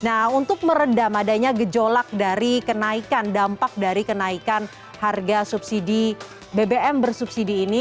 nah untuk meredam adanya gejolak dari kenaikan dampak dari kenaikan harga bbm bersubsidi ini